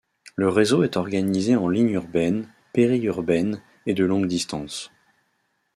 Le réseau est organisé en lignes urbaines, périurbaines, et de longue distance.